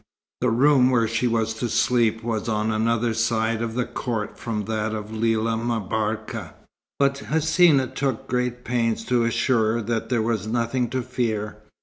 The room where she was to sleep was on another side of the court from that of Lella M'Barka, but Hsina took great pains to assure her that there was nothing to fear.